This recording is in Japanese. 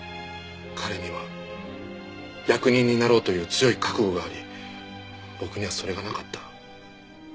彼には役人になろうという強い覚悟があり僕にはそれがなかった。